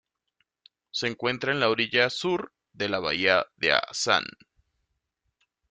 Se encuentra en la orilla sur de la bahía de Asan.